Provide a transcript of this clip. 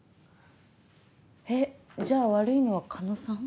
えっじゃあ悪いのは狩野さん？